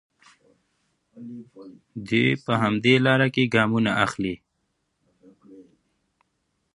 دی په همدې لاره کې ګامونه اخلي.